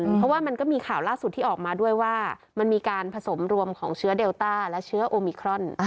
เพราะว่ามันก็มีข่าวล่าสุดที่ออกมาด้วยว่ามันมีการผสมรวมของเชื้อเดลต้าและเชื้อโอมิครอน